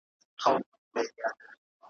هغه چي تل به وېرېدلو ځیني `